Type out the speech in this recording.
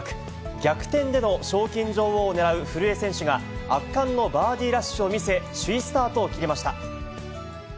逆転での賞金女王をねらうふるえ選手が圧巻のバーディーラッシュを見せ、首位スタートを切りました。